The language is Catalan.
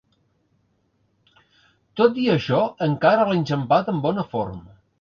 Tot i això, encara l'he enxampat en bona forma.